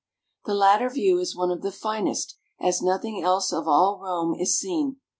The latter view is one of the finest, as nothing else of all Rome is seen.